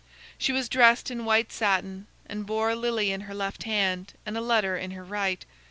She was dressed in white satin, and bore a lily in her left hand and a letter in her right.